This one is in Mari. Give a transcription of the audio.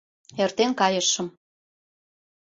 Эртен кайышым